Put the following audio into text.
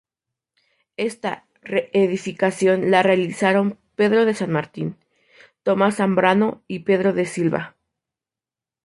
Esta reedificación la realizaron Pedro de San Martín, Tomás Zambrano y Pedro de Silva.